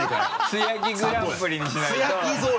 素焼きグランプリにしないと。